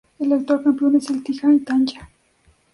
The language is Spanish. El actual campeón es el Ittihad Tanger.